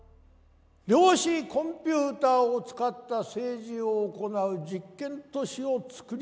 量子コンピューターを使った政治を行う実験都市を作り上げました。